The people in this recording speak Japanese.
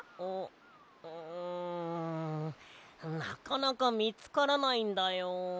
んなかなかみつからないんだよ。